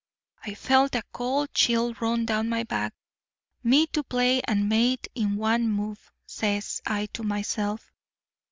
"I felt a cold chill run down my back. 'Me to play and mate in one move,' says I to myself.